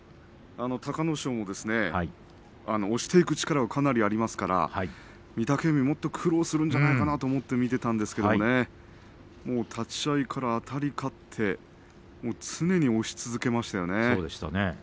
隆の勝も押していく力はかなりありますから御嶽海はもっと苦労するんじゃないかなと思って見ていたんですけれどもね立ち合いからあたり勝って常に押し続けましたよね。